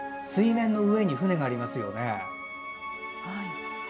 水面の上に舟がありますよね。